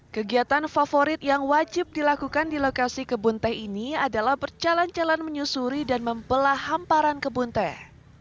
kegiatan favorit yang wajib dilakukan di lokasi kebun teh ini adalah berjalan jalan menyusuri dan membelah hamparan kebun teh